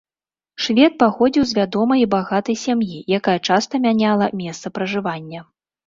Швед паходзіў з вядомай і багатай сям'і, якая часта мяняла месца пражывання.